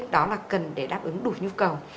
đó là cần để đáp ứng đủ nhu cầu